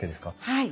はい。